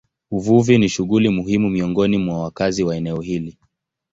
Uvuvi ni shughuli muhimu miongoni mwa wakazi wa eneo hili.